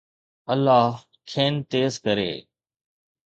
الله کين تيز ڪري